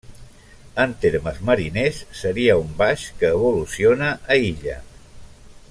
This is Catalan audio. En termes mariners seria un baix que evoluciona a illa.